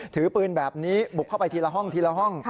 ถือปืนแบบนี้บุกเข้าไปทีละห้องทีละห้อง